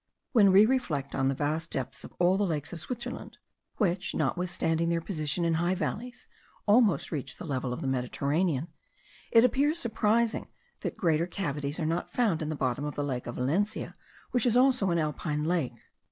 When we reflect on the vast depths of all the lakes of Switzerland, which, notwithstanding their position in high valleys, almost reach the level of the Mediterranean, it appears surprising that greater cavities are not found at the bottom of the lake of Valencia, which is also an Alpine lake.